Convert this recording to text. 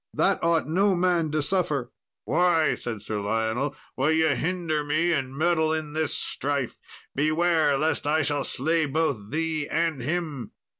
That ought no man to suffer." "Why," said Sir Lionel, "will ye hinder me and meddle in this strife? beware, lest I shall slay both thee and him."